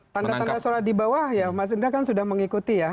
tanda tanda soal di bawah ya mas indra kan sudah mengikuti ya